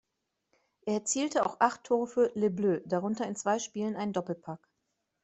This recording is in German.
Er erzielte auch acht Tore für "Les Bleus", darunter in zwei Spielen einen "Doppelpack".